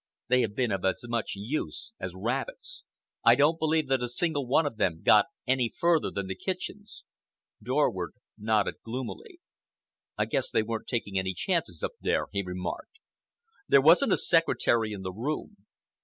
They have been of as much use as rabbits. I don't believe that a single one of them got any further than the kitchens." Dorward nodded gloomily. "I guess they weren't taking any chances up there," he remarked. "There wasn't a secretary in the room.